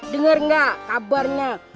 dengar gak kabarnya